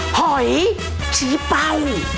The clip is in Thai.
หอยชี้เป้า